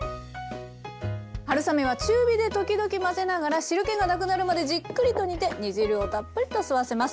春雨は中火で時々混ぜながら汁けがなくなるまでじっくりと煮て煮汁をたっぷりと吸わせます。